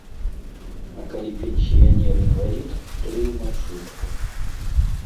А калі пенсіянер інвалід, то і ў маршрутках.